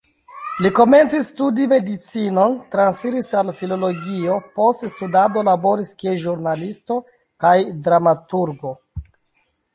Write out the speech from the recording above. Li komencis studi medicinon, transiris al filologio, post studado laboris kiel ĵurnalisto kaj dramaturgo.